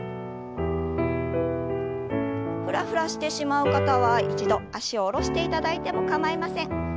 フラフラしてしまう方は一度脚を下ろしていただいても構いません。